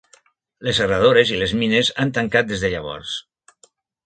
Les serradores i les mines han tancat des de llavors.